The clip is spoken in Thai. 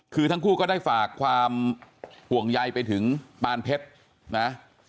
คือทั้งคู่ก็ได้ฝากความห่วงใยไปถึงปานเพชรนะ